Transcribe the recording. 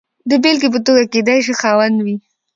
د بېلګې په توګه کېدای شي خاوند وي.